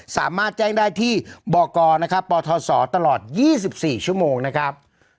สามารถแจ้งได้ที่บกนะครับปทศตลอด๒๔ชั่วโมงนะครับ